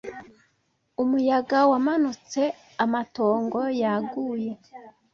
'Umuyaga wamanutse! Amatongo yaguye